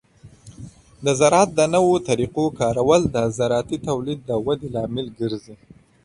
د زراعت د نوو طریقو کارول د زراعتي تولید د ودې لامل ګرځي.